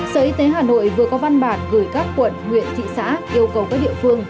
sở y tế hà nội vừa có văn bản gửi các quận huyện thị xã yêu cầu các địa phương